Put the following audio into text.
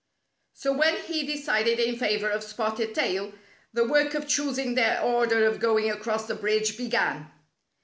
So when he decided in favor of Spotted Tail, the work of choosing their order of going across the bridge began.